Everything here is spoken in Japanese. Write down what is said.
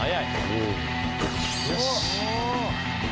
よし。